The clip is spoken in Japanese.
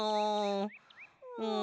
うん。